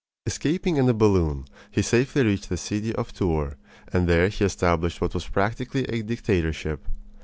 Escaping in a balloon, he safely reached the city of Tours; and there he established what was practically a dictatorship.